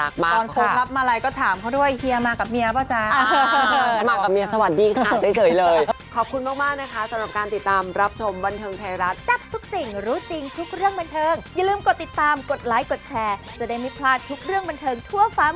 ก็ปรับว่าเดียวกัน๒วงนะจากบริษัทเฟย์ไทยแลนด์